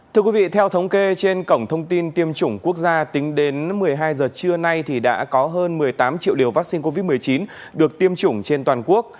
thưa quý vị theo thống kê trên cổng thông tin tiêm chủng quốc gia tính đến một mươi hai giờ trưa nay thì đã có hơn một mươi tám triệu liều vaccine covid một mươi chín được tiêm chủng trên toàn quốc